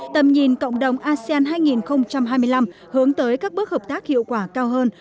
tầm nhìn cộng đồng asean hai nghìn hai mươi năm hướng tới các bước hợp tác hiệu quả cao hơn